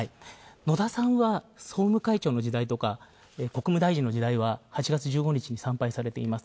野田さんは総務会長の時代、国務大臣の時代は８月１５日に参拝されています。